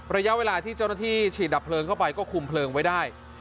ระยะเวลาที่เจ้าหน้าที่ฉีดดับเพลิงเข้าไปก็คุมเพลิงไว้ได้